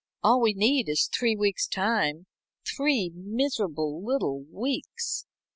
All we need is three weeks' time three miserable little weeks."